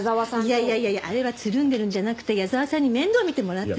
いやいやいやいやあれはつるんでるんじゃなくて矢沢さんに面倒見てもらってるわけ。